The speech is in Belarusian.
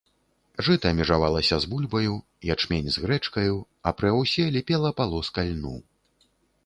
Жыта межавалася з бульбаю, ячмень з грэчкаю, і пры аўсе ліпела палоска льну.